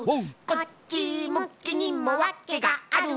「こっちむきにもわけがある」